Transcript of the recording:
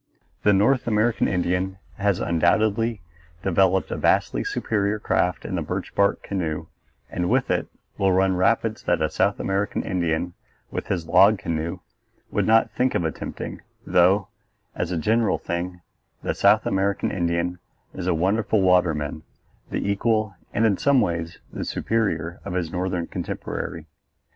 The North American Indian has undoubtedly developed a vastly superior craft in the birch bark canoe and with it will run rapids that a South American Indian with his log canoe would not think of attempting, though, as a general thing, the South American Indian is a wonderful waterman, the equal and, in some ways, the superior of his northern contemporary.